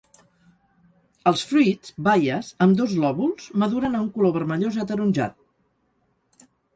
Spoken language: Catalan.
Els fruits, baies, amb dos lòbuls, maduren a un color vermellós ataronjat.